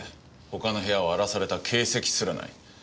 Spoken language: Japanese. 他の部屋は荒らされた形跡すらない。